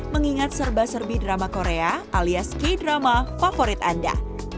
mengingat serba serbi drama korea alias k drama favorit anda